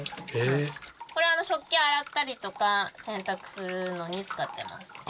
これ食器洗ったりとか洗濯するのに使ってます。